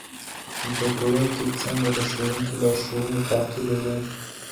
زده کوونکي څنګه د ښوونکي لارښوونې تعقیبوي؟